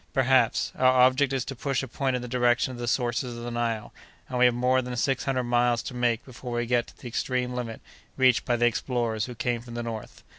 "Perhaps. Our object is to push a point in the direction of the sources of the Nile; and we have more than six hundred miles to make before we get to the extreme limit reached by the explorers who came from the north."